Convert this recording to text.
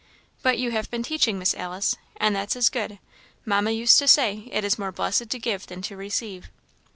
"But you have been teaching, Miss Alice, and that's as good. Mamma used to say, 'It is more blessed to give than to receive.'